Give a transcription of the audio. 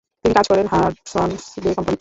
তিনি কাজ করেন হাডসন’স বে কোম্পানিতে।